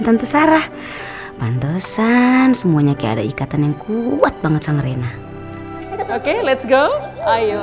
kata sarah pantesan semuanya kayak ada ikatan yang kuat banget sama reina oke let's go ayo